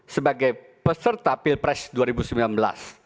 sebagai peserta peer price dua ribu sembilan belas